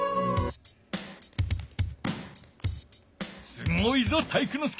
すごいぞ体育ノ介！